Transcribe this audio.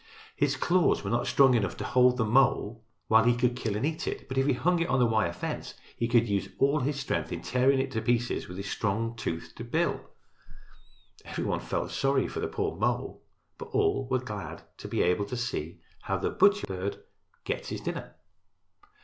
His claws were not strong enough to hold the mole while he could kill and eat it, but if he hung it on the wire fence he could use all his strength in tearing it to pieces with his strong toothed bill. Every one felt sorry for the poor mole, but all were glad to be able to see how the butcher bird gets his dinner.